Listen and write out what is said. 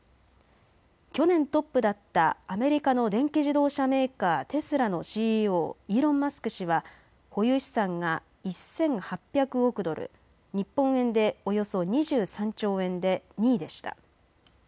去年トップだったアメリカの電気自動車メーカー、テスラのＣＥＯ、イーロン・マスク氏は保有資産が１８００億ドル、日本円でおよそ２３兆円で２位でした。